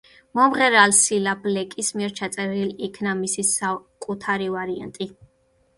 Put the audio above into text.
მომღერალ სილა ბლეკის მიერ ჩაწერილი იქნა მისი საკუთარი ვარიანტი.